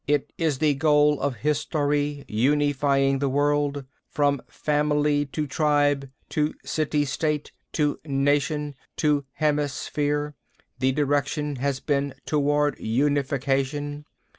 "It is the goal of history, unifying the world. From family to tribe to city state to nation to hemisphere, the direction has been toward unification.